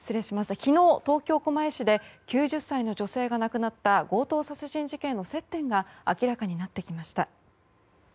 昨日、東京・狛江市で９０歳の女性が亡くなった強盗殺人事件の接点が明らかになってきました。